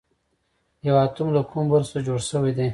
یو اتوم له کومو برخو څخه جوړ شوی دی